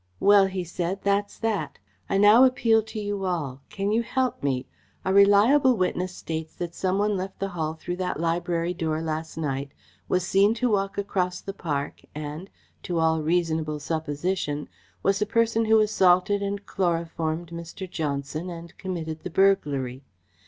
"Well," he said, "that's that! I now appeal to you all. Can you help me? A reliable witness states that some one left the Hall through that library door last night, was seen to walk across the park and, to all reasonable supposition, was the person who assaulted and chloroformed Mr. Johnson, and committed the burglary.